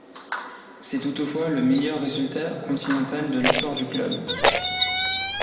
C'est toutefois le meilleur résultat continental de l'histoire du club.